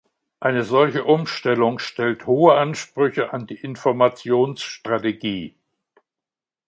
Eine solche Umstellung stellt hohe Ansprüche an die Informationsstrategie.